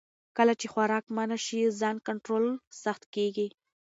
کله چې خوراک منع شي، ځان کنټرول سخت کېږي.